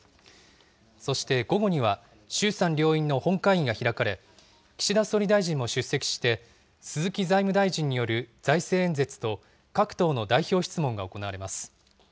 そして午後には、衆参両院の本会議が開かれ、岸田総理大臣も出席して、鈴木財務大臣による財政演説と、各党の代表質問が行われます。